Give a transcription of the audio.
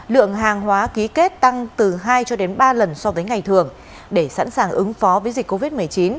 lượng hàng hóa ký kết tăng từ hai cho đến ba lần so với ngày thường để sẵn sàng ứng phó với dịch covid một mươi chín